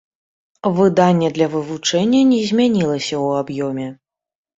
Выданне для вывучэння не змянілася ў аб'ёме.